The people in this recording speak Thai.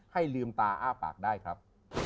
ลืมตาอ้าปากได้ครับ